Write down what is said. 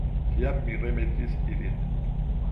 Tiam mi remetis ilin.